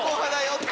って・